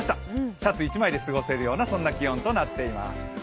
シャツ１枚で過ごせるようなそんな気温となっています。